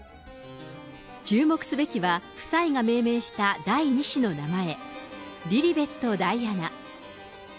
注目すべきは、夫妻が命名した第２子の名前、リリベット・ダイアナ。